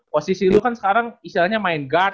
posisi lu kan sekarang istilahnya main guard